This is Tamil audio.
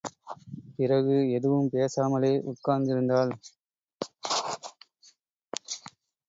பிறகு, எதுவும் பேசாமலே உட்கார்ந்திருந்தாள்.